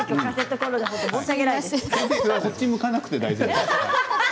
こっちを向かなくて大丈夫です。